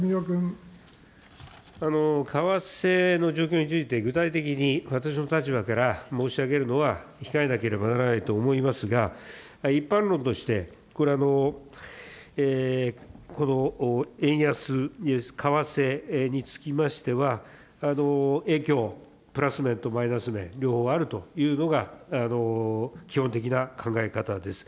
為替の状況について、具体的に私の立場から申し上げるのは控えなければならないと思いますが、一般論として、これは、円安、為替につきましては、影響、プラス面とマイナス面、両方あるというのが基本的な考え方です。